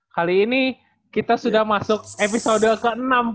kali ini kita sudah masuk episode ke enam